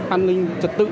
an ninh trật tự